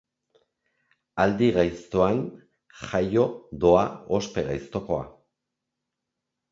Aldi gaiztoan jaio doa ospe gaiztokoa.